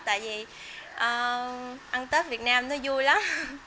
tại vì ăn tết việt nam nó vui lắm